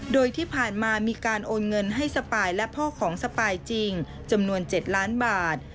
โดยที่ผ่านมามีการโอนเงินให้สปายและพ่อของสปายจริงจำนวน๗ล้านบาท